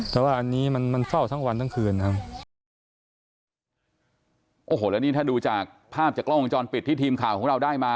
แต่ว่าอันนี้มันเฝ้าทั้งวันทั้งคืนครับ